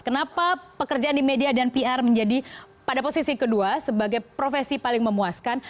kenapa pekerjaan di media dan pr menjadi pada posisi kedua sebagai profesi paling memuaskan